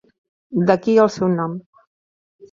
D'aquí el seu nom.